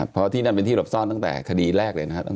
เพราะที่นั่นเป็นที่หลบซ่อนตั้งแต่คดีแรกเลยนะครับ